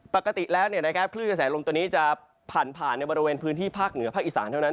ปกติแล้วคลื่นกระแสลมตัวนี้จะผ่านในบริเวณพื้นที่ภาคเหนือภาคอีสานเท่านั้น